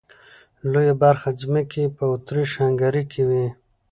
لويه برخه ځمکې یې په اتریش هنګري کې وې.